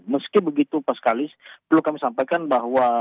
meski begitu pas kali perlu kami sampaikan bahwa